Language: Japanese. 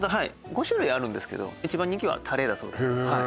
５種類あるんですけど一番人気はタレだそうです